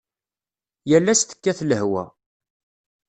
Yal ass tekkat lehwa.